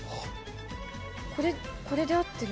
これこれで合ってる？